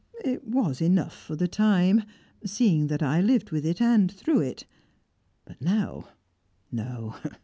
It was enough for the time, seeing that I lived with it, and through it. But now no!